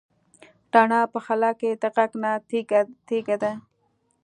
رڼا په خلا کې د غږ نه تېزه ده.